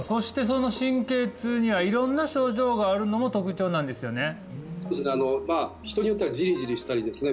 その神経痛には色んな症状があるのも特徴なんですよね？